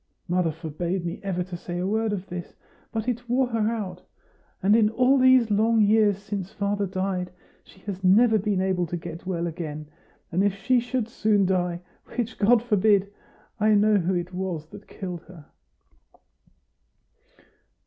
Mother forbade me ever to say a word of this; but it wore her out. And in all these long years since father died, she has never been able to get well again. And if she should soon die which God forbid! I know who it was that killed her."